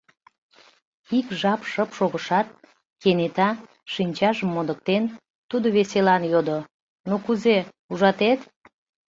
Ик жап шып шогышат, кенета, шинчажым модыктен, тудо веселан йодо: — Ну кузе, ужатет?